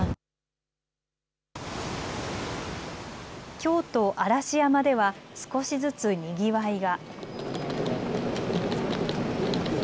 京都嵐山では少しずつにぎわいが。